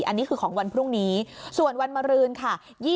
อันนี้คือของวันพรุ่งนี้ส่วนวันมารืนค่ะ